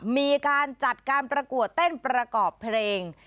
มีการจัดการประกวดเต้นประกอบเพลง